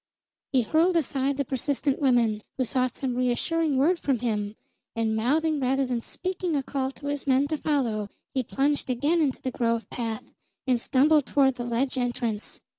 He hurled aside the persistent women, who sought some reassuring word from him, and mouthing rather than speaking a call to his men to follow, he plunged again into the grove path and stumbled toward the ledge entrance.